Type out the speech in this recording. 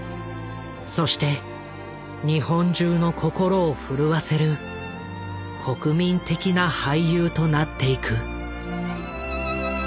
そして日本中の心を震わせる国民的な俳優となっていく。